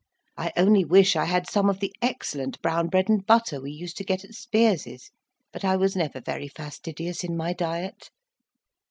I only wish I had some of the excellent brown bread and butter we used to get at Spiers's: but I was never very fastidious in my diet."